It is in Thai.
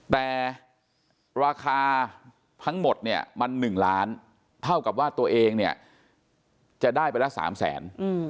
แต่ราคาทั้งหมดเนี่ยมัน๑ล้านเท่ากับว่าตัวเองเนี่ยจะได้ไปละ๓แสน